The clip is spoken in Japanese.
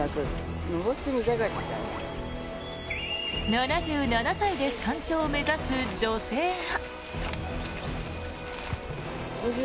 ７７歳で山頂を目指す女性が。